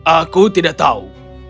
aku tidak tahu